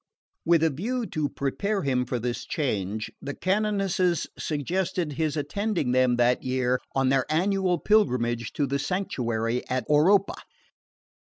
With a view to prepare him for this change, the canonesses suggested his attending them that year on their annual pilgrimage to the sanctuary of Oropa.